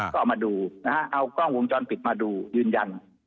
ก็เอามาดูนะฮะเอากล้องวงจรปิดมาดูยืนยัน